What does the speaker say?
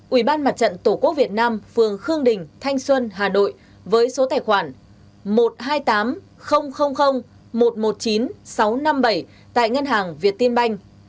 ủy ban mặt trận tổ quốc việt nam phường khương đình thanh xuân hà nội với số tài khoản một trăm hai mươi tám một trăm một mươi chín sáu trăm năm mươi bảy tại ngân hàng việt tiên banh